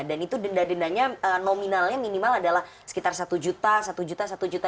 dan itu denda dendanya nominalnya minimal adalah sekitar rp satu juta rp satu juta rp satu juta